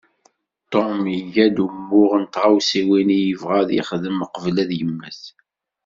Tom iga-d umuɣ n tɣawsiwin i yebɣa ad yexdem qbel ad yemmet.